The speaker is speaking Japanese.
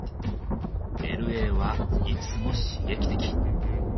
Ｌ．Ａ．はいつも刺激的。